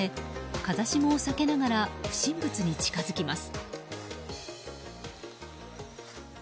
風下を避けながら不審物に近づきます。